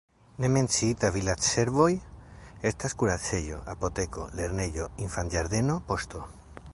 Ne menciitaj vilaĝservoj estas kuracejo, apoteko, lernejo, infanĝardeno, poŝto.